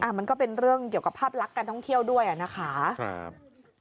มันก็เป็นเรื่องเกี่ยวกับภาพลักษณ์การท่องเที่ยวด้วยนะคะครับ